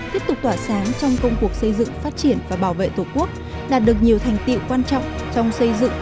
tiếp tục tỏa sáng trong công cuộc xây dựng phát triển và bảo vệ tổ quốc đạt được nhiều thành tiệu quan trọng trong xây dựng